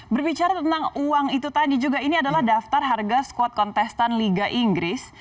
berbicara tentang uang itu tadi juga ini adalah daftar harga squad kontestan liga inggris